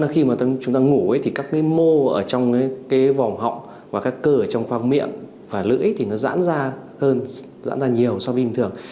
khi chúng ta ngủ các mô ở trong vòng họng và các cơ ở trong pha miệng và lưỡi dãn ra nhiều so với bình thường